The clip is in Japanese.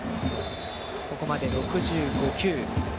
ここまで６５球。